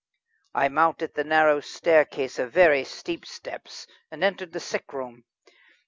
I mounted the narrow staircase of very steep steps and entered the sick room.